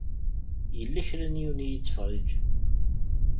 Yella kra n yiwen i yettfeṛṛiǧen.